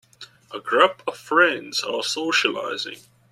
A group of friends are socializing.